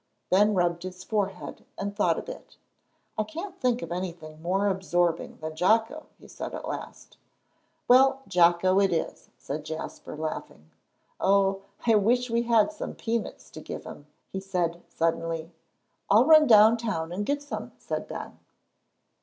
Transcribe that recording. Ben rubbed his forehead and thought a bit. "I can't think of anything more absorbing than Jocko," he said at last. "Well, Jocko it is," said Jasper, laughing. "Oh, I wish we had some peanuts to give him," he said suddenly. "I'll run down town and get some," said Ben.